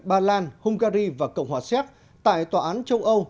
ba lan hungary và cộng hòa séc tại tòa án châu âu